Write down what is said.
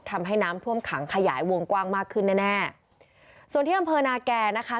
ทำให้น้ำท่วมขังขยายวงกว้างมากขึ้นแน่แน่ส่วนที่อำเภอนาแก่นะคะ